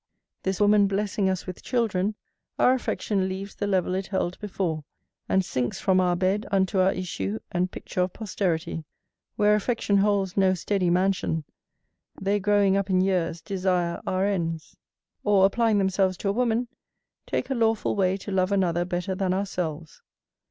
This woman blessing us with children, our affection leaves the level it held before, and sinks from our bed unto our issue and picture of posterity: where affection holds no steady mansion; they growing up in years, desire our ends; or, applying themselves to a woman, take a lawful way to love another better than ourselves.